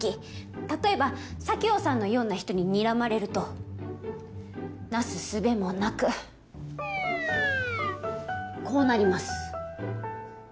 例えば佐京さんのような人ににらまれるとなすすべもなくこうなります